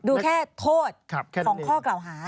ดูแค่โทษของข้อกล่าวหา